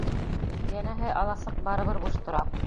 Йәнәһе, аласыҡ барыбер буш тора.